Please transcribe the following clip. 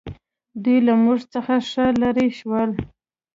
دوی له موږ څخه ښه لرې شول.